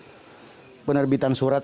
sistem penerbitan surat